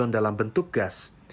ozon dalam bentuk gas